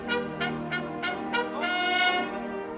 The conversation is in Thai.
อัศวินธรรมชาติ